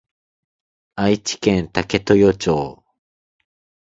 愛知県武豊町